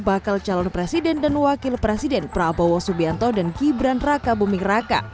bakal calon presiden dan wakil presiden prabowo subianto dan gibran raka buming raka